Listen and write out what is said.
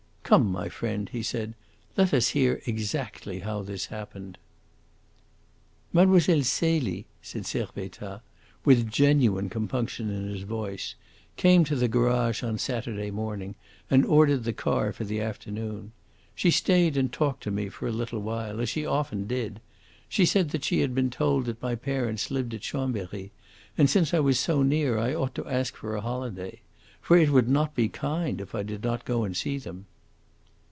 "Come, my friend," he said, "let us hear exactly how this happened!" "Mlle. Celie," said Servettaz, with genuine compunction in his voice, "came to the garage on Saturday morning and ordered the car for the afternoon. She stayed and talked to me for a little while, as she often did. She said that she had been told that my parents lived at Chambery, and since I was so near I ought to ask for a holiday. For it would not be kind if I did not go and see them."